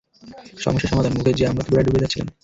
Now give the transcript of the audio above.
সমস্যা সমাধান, মুকেশ জি, আমরা তো প্রায় ডুবে যাচ্ছিলাম।